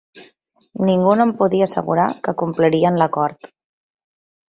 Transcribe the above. Ningú no em podia assegurar que complirien l'acord.